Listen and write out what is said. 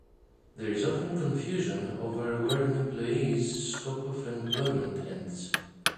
There is often confusion over where an employee's "scope of employment" ends.